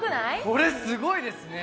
これ、すごいですね！